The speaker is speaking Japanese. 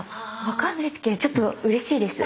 分かんないですけどちょっとうれしいです。